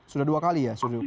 sudah dua kali ya